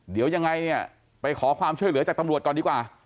เดี๋ยวยังไงเนี่ยไปขอความช่วยเหลือจากตำรวจก่อนดีกว่า